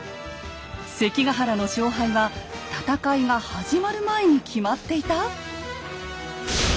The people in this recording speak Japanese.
関ヶ原の勝敗は戦いが始まる前に決まっていた？